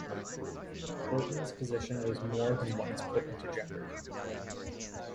Bertin's position was more than once put into jeopardy.